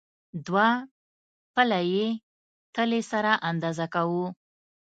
دوه پله یي تلې سره اندازه کوو.